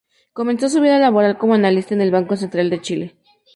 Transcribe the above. Comenzó su vida laboral como analista en el Banco Central de Chile.